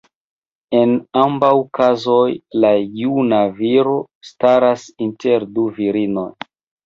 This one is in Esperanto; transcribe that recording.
En ambaŭ kazoj la juna "viro" staras inter du virinoj.